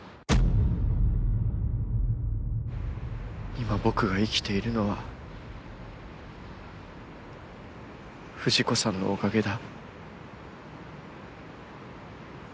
今僕が生きているのは藤子さんのおかげだ。